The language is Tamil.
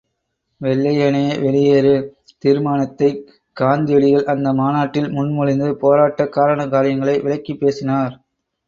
வெள்ளையனே வெளியேறு தீர்மானத்தைக் காந்தியடிகள் அந்த மாநாட்டில் முன் மொழிந்து போராட்டக் காரண காரியங்களை விளக்கிப் பேசினார்.